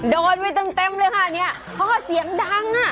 โดนไปเต็มเลยค่ะเนี่ยพ่อเสียงดังอ่ะ